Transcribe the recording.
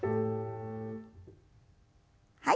はい。